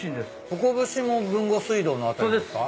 トコブシも豊後水道の辺りですか？